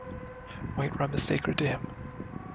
White rum is sacred to him.